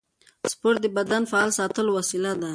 سپورت د بدن فعال ساتلو وسیله ده.